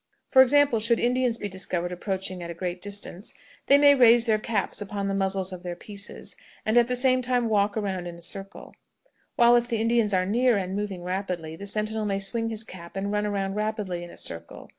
For example, should Indians be discovered approaching at a great distance, they may raise their caps upon the muzzles of their pieces, and at the same time walk around in a circle; while, if the Indians are near and moving rapidly, the sentinel may swing his cap and run around rapidly in a circle.